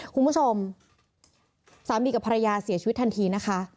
คุณผู้ชมสามีกับภรรยาเสียชีวิตทันทีนะคะ